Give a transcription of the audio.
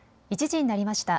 １時になりました。